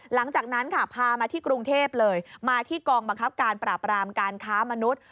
หลังจากนั้นค่ะพามาที่กรุงเทพเลยมาที่กองบังคับการปราบรามการค้ามนุษย์